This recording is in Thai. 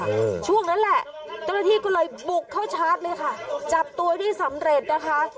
ช่วงนั้นแหละเจ้าหน้าที่ก็เลยบุกเข้าชาร์จเลยค่ะจับตัวได้สำเร็จนะคะ